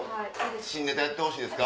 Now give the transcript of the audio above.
新ネタやってほしいですか？